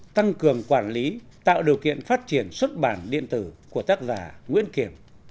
tăng cường quản lý tạo điều kiện phát triển xuất bản điện tử của tác giả nguyễn kiểm